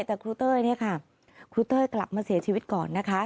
แต่ครูเต้ยเกลามาเสียชีวิตก่อนนะคะ